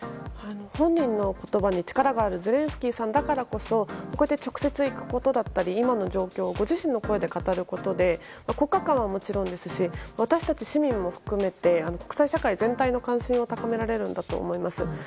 本人の言葉に力があるゼレンスキーさんだからこそこうやって直接行くことだったり今の状況をご自身の声で語ることで国家間はもちろんですし私たち市民も含めて国際社会全体の関心を高められるんだと思います。